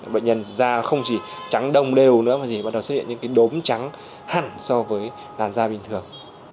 bệnh nhân da không chỉ trắng đông đều nữa mà bắt đầu xuất hiện những cái đốm trắng hẳn so với làn da bình thường